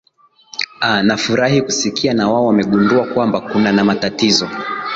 aa nafurahi kusikia na wao wamegundua kwamba kuna na matatizo